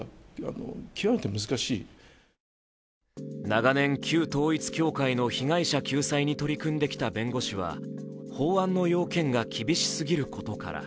長年、旧統一教会の被害者救済に取り組んできた弁護士は、法案の要件が厳しすぎることから